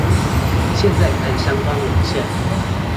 現在看相關文獻